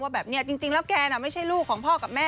แบบนี้จริงแล้วแกน่ะไม่ใช่ลูกของพ่อกับแม่